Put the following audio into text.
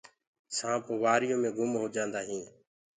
سآنپ وآريو مينٚ گُم هوجآندآ هينٚ۔